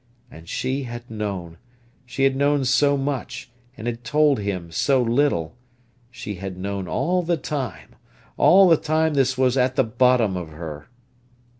And she had known. She had known so much, and had told him so little. She had known all the time. All the time this was at the bottom of her!